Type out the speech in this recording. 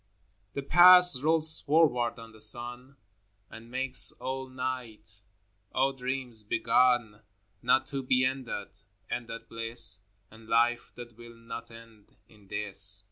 The past rolls forward on the sun And makes all night. O dreams begun, Not to be ended ! Ended bliss, And life that will not end in this